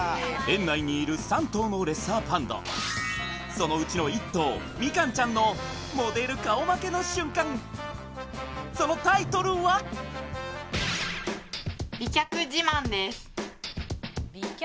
園内にいる３頭のレッサーパンダそのうちの１頭みかんちゃんのそのタイトルは美脚自慢